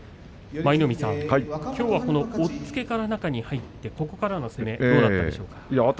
舞の海さん、きょうは押っつけから中に入ってここからの相撲どうでした？